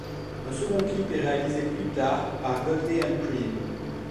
Un second clip est réalisé plus tard, par Godley & Creme.